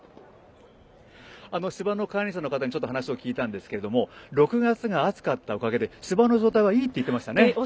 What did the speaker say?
芝の管理者の方に話を聞いたんですけど６月が暑かったおかげで芝の状態はいいって言っていましたね。